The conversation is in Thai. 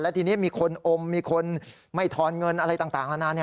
ทีนี้มีคนอมมีคนไม่ทอนเงินอะไรต่างนานา